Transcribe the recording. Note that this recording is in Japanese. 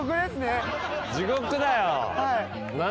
地獄だよ。